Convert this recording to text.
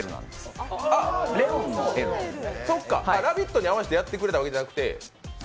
あっ、「ラヴィット！」に合わせてやってくれたわけじゃなくて。